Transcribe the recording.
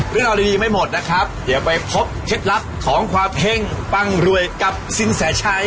เรื่องราวดียังไม่หมดนะครับเดี๋ยวไปพบเคล็ดลับของความเฮ่งปั้งรวยกับสินแสชัย